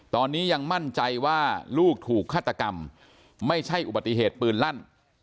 ตอนนี้ยังมั่นใจว่าลูกถูกฆาตกรรมไม่ใช่อุบัติเหตุปืนลั่น